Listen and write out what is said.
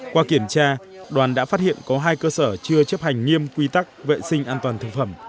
qua kiểm tra đoàn đã phát hiện có hai cơ sở chưa chấp hành nghiêm quy tắc vệ sinh an toàn thực phẩm